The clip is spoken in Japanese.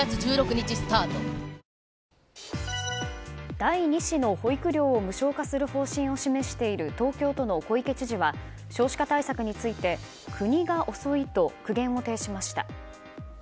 第２子の保育料を無償化する方針を示している東京都の小池知事は少子化対策について国が遅いと苦言を呈しました。